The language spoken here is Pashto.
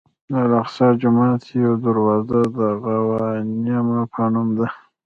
د الاقصی جومات یوه دروازه د غوانمه په نوم ده.